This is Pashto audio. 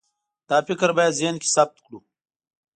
دا فکر باید ذهن کې ثبت کړو.